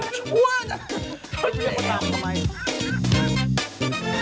นุ่งชัวร์นะ